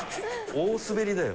大スベりだよ。